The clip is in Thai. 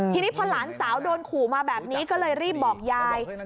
ทีนี้พอหลานสาวโดนขู่มาแบบนี้ก็เลยรีบบอกยาย